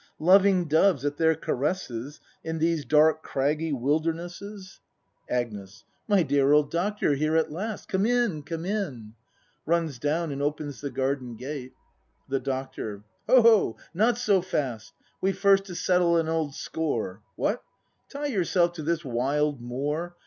loving doves at their caresses In these dark craggy wildernesses? 110 BRAND [act m Agnes. My dear old Doctor, here at last! Come in, come in! [Runs down and oyens the garden gate. The Doctor. Ho, not so fast! We've first to settle an old score. — What! Tie yourself to this wild moor.